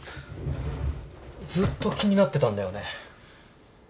ずっと気になってたんだよね。